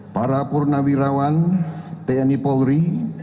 para purnawirawan tni polri